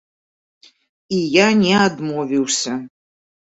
І я не адмовіўся!